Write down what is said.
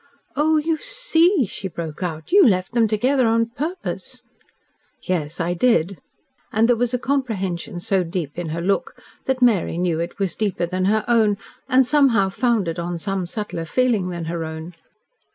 "Oh! You SEE!" she broke out. "You left them together on purpose!" "Yes, I did." And there was a comprehension so deep in her look that Mary knew it was deeper than her own, and somehow founded on some subtler feeling than her own.